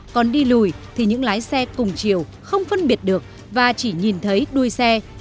còn đi lùi thì những lái xe cùng chiều không phân biệt được và chỉ nhìn thấy đuôi xe